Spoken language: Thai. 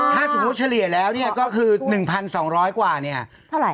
ถ้าสมมุติเฉลี่ยแล้วเนี่ยก็คือหนึ่งพันสองร้อยกว่าเนี่ยเท่าไร